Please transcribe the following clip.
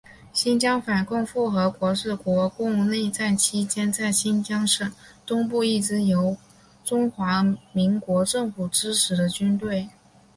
新疆反共复国军是国共内战期间在新疆省东部一支由中华民国政府支持之军队。